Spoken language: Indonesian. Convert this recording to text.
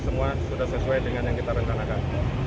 semua sudah sesuai dengan yang kita rencanakan